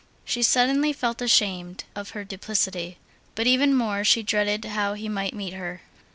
She suddenly felt ashamed of her duplicity, but even more she dreaded how he might meet her.